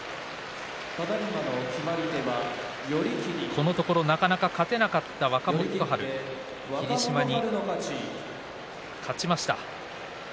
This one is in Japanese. このところなかなか勝てなかった若元春、霧島に勝ちました。